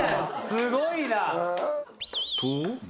すごいな。